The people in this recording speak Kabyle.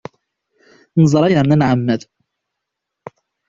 Neẓra yerna nɛemmed!